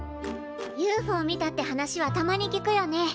ＵＦＯ見たって話はたまに聞くよね。